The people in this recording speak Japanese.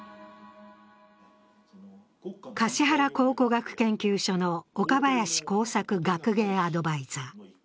橿原考古学研究所の岡林考作学芸アドバイザー。